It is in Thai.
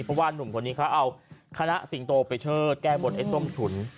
เพราะว่านุ่มคนนี้เขาเอาคณะสิงโตไปเชิดแก้บนไอ้ส้มฉุน